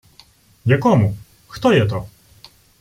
— Якому? Хто є то?